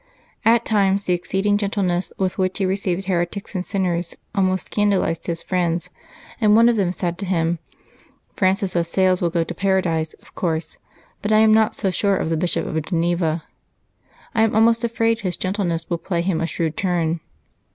At times the exceeding gentleness with which he received heretics and sinners almost scandalized his friends, and one of them said to him, "Francis of Sales will go to Paradise, of course ; but I am not so sure of the Bishop of Geneva : I am almost afraid his gentleness will play him a shrewd turn."